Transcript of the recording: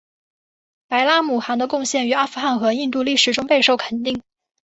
白拉姆汗的贡献于阿富汗和印度历史中备受肯定。